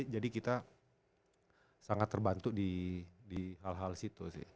jadi kita sangat terbantu di hal hal situ sih